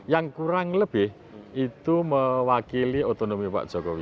yang kurang lebih itu mewakili otonomi pak jokowi